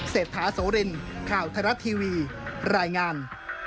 เศรษฐาโสรินข่าวไทยรัฐทีวีรายงาน